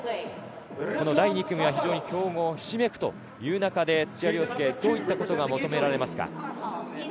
第２組は非常に強豪ひしめくという中で土屋良輔、どういったことが求められますか？